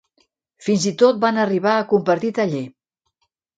Fins i tot van arribar a compartir taller.